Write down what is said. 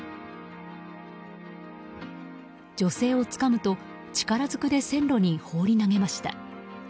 女性をつかむと力ずくで線路に放り投げました。